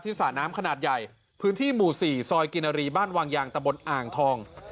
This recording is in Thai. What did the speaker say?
สระน้ำขนาดใหญ่พื้นที่หมู่๔ซอยกินรีบ้านวางยางตะบนอ่างทอง